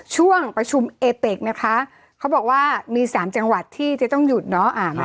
ช่วงประชุมเอเต็กนะคะเขาบอกว่ามีสามจังหวัดที่จะต้องหยุดเนาะ